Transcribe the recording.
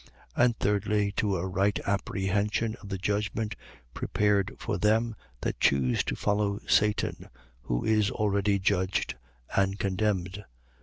And thirdly, to a right apprehension of the judgment prepared for them that choose to follow Satan, who is already judged and condemned.